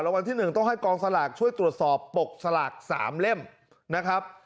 รางวัลที่หนึ่งต้องให้กองสลากช่วยตรวจสอบปลกสลากสามเล่มนะครับ